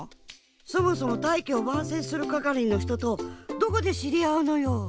そもそも大器を晩成するかかりのひととどこでしりあうのよ。